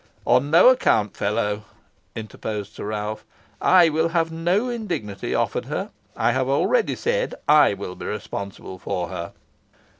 "On no account, fellow," interposed Sir Ralph. "I will have no indignity offered her. I have already said I will be responsible for her."